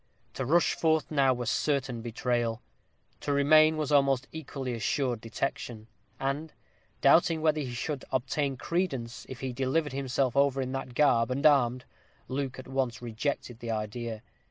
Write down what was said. To rush forth now were certain betrayal; to remain was almost equally assured detection; and, doubting whether he should obtain credence if he delivered himself over in that garb and armed, Luke at once rejected the idea.